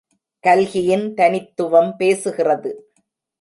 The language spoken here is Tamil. கல்கியின் தனித்துவம் பேசுகிறது!